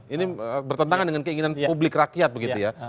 ini bertentangan dengan keinginan publik rakyat begitu ya